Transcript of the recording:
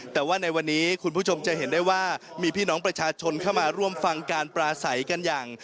แต่ว่าในวันนี้คุณผู้ชมจะเห็นได้ว่ามีพี่น้องประชาชนเข้ามาร่วมฟังการปลาใสกันอย่าง